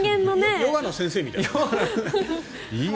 ヨガの先生みたい。